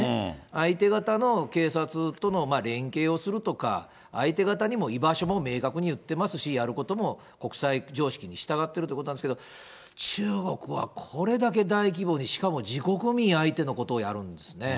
相手方の警察との連携をするとか、相手方にも居場所も明確に言っていますし、やることも国際常識に従ってるということなんですけれども、中国はこれだけ大規模で、しかも自国民相手のことをやるんですね。